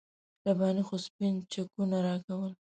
رباني خو سپین چکونه راکول.